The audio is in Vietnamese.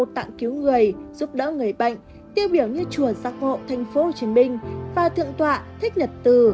tặng cứu người giúp đỡ người bệnh tiêu biểu như chùa giác ngộ tp hcm và thượng tọa thích nhật từ